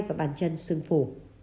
và bàn chân xương phủ